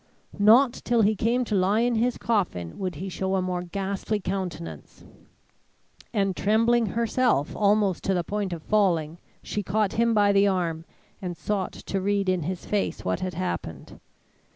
Not till he came to lie in his coffin would he show a more ghastly countenance; and trembling herself almost to the point of falling, she caught him by the arm and sought to read in his face what had happened.